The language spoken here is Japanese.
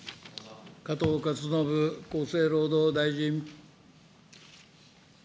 加藤勝信厚生労働大臣。